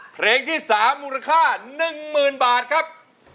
เพลงที่๓มูลค่า๑๐๐๐บาทครับ